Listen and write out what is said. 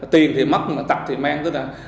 tiền thì mất tật thì mang